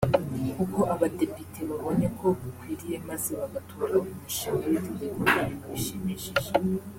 kuba abadepite babonye ko bukwiriye maze bagatora uyu mushinga w’itegeko ni ibintu bishimishije